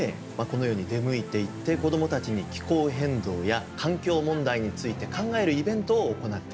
このように出向いていって子どもたちに気候変動や環境問題について考えるイベントを行っています。